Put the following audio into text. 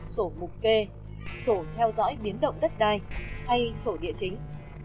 sổ mục kê sổ theo dõi biến động đất đai hay sổ địa chính